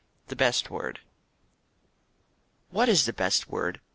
"_ THE BEST WORD What is the best word!